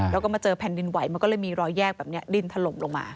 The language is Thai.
แล้วก็มาเจอแผ่นดินไหวมันก็เลยมีรอยแยกแบบนี้ดินถล่มลงมา